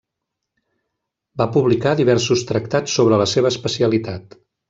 Va publicar diversos tractats sobre la seva especialitat.